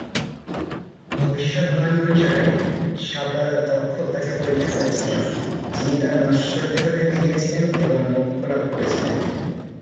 ভবিষ্যদ্বাণী অনুসারে, সাপ রাজা তক্ষক তাকে পরীক্ষা করেছিলেন, যিনি তার নশ্বর দেহ রেখে গিয়েছিলেন এবং মোক্ষ লাভ করেছিলেন।